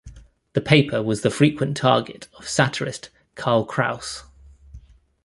The paper was the frequent target of satirist Karl Kraus.